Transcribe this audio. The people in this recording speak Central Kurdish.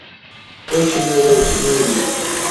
ئۆ چنوورە و چنووری